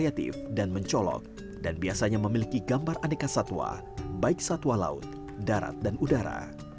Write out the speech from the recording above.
ketua batik tersebut memiliki kategori kategori kreatif dan mencolok dan biasanya memiliki gambar adekat satwa baik satwa laut darat dan udara